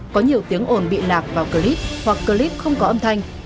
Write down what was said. có nhiều tiếng ồn bị lạc vào clip hoặc clip không có âm thanh